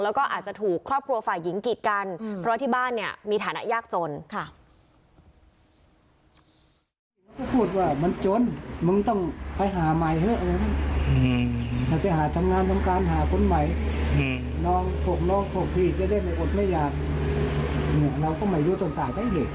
แล้วก็อาจจะถูกครอบครัวฝ่ายหญิงกีดกันเพราะที่บ้านเนี่ยมีฐานะยากจนค่ะ